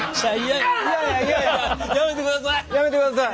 やめてください。